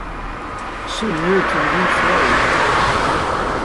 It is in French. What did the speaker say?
Saulieu est une ville fleurie.